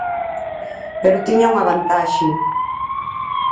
Pero tiña unha vantaxe.